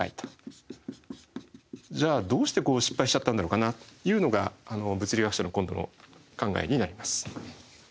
じゃあどうしてこう失敗しちゃったんだろうかなというのが物理学者の今度の考えになります。